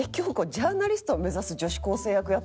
ジャーナリストを目指す女子高生役やってるの？